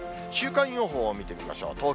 週間予報を見てみましょう。